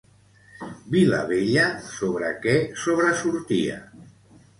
Vila-Vella, sobre què sobresortia?